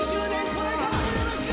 これからもよろしく！